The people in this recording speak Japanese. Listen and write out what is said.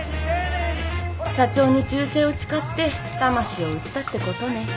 社長に忠誠を誓って魂を売ったってことね。